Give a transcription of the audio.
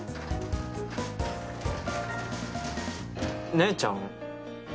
姉ちゃん。